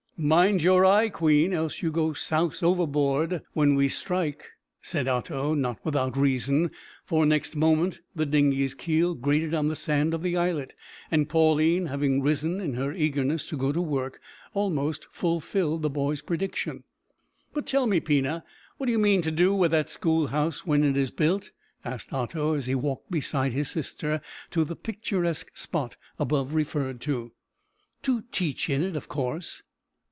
"Mind your eye, queen, else you go souse overboard when we strike," said Otto, not without reason, for next moment the dinghy's keel grated on the sand of the islet, and Pauline, having risen in her eagerness to go to work, almost fulfilled the boy's prediction. "But tell me, Pina, what do you mean to do with that schoolhouse when it is built?" asked Otto, as he walked beside his sister to the picturesque spot above referred to. "To teach in it, of course."